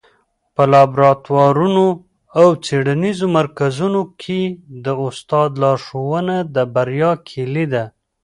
په لابراتوارونو او څېړنیزو مرکزونو کي د استاد لارښوونه د بریا کيلي ده.